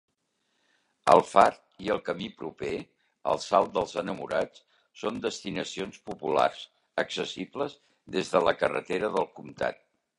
El far i el camí proper, el "salt dels enamorats", són destinacions populars accessibles des de la carretera del comtat.